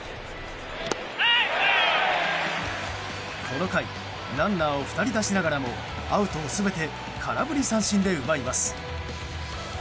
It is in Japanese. この回、ランナーを２人出しながらもアウトを全て空振り三振で奪います。